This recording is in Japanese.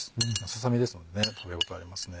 ささ身ですので食べ応えありますね。